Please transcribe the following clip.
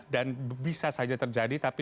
dan bisa saja terjadi tapi